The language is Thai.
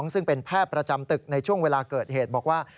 ซึ่งเป็นแพทย์ประจำตึกในช่วงเวลาเกิดเหตุบอกว่า